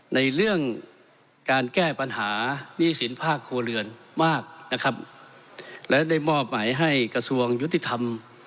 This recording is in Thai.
ในเรื่องการแก้ปัญหาหนี้สินภาคครัวเรือนมากนะครับและได้มอบหมายให้กระทรวงยุติธรรม